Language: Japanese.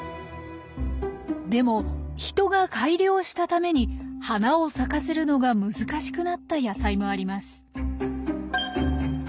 でも人が改良したために花を咲かせるのが難しくなった野菜もあります。